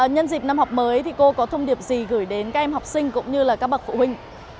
nhân dịp năm học mới thì cô có thông điệp gì gửi đến các em học sinh cũng như là các bậc phụ huynh